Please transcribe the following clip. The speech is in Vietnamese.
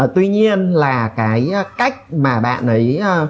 tuy nhiên là cái cách mà bạn ấy